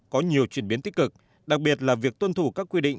có nhiều chuyển biến tích cực đặc biệt là việc tuân thủ các quy định